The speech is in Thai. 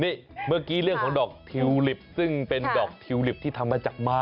นี่เมื่อกี้เรื่องของดอกทิวลิปซึ่งเป็นดอกทิวลิปที่ทำมาจากไม้